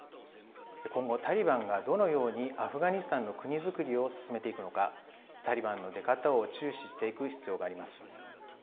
今後、タリバンがどのようにアフガニスタンの国づくりを進めていくのか、タリバンの出方を注視していく必要があります。